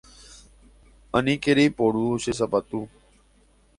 Aníke reiporu che sapatu.